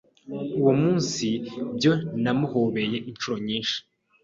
uwo munsi byo namuhobeye inshuro nyinshi,